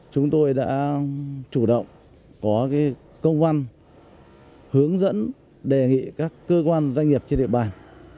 chúng tôi đã chủ động có công văn hướng dẫn đề nghị các cơ quan doanh nghiệp trên địa bàn